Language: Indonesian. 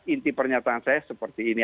inti pernyataan saya seperti ini